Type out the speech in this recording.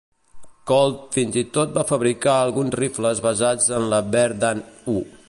Colt fins i tot va fabricar alguns rifles basats en la Berdan I.